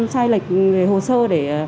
sai lệch hồ sơ để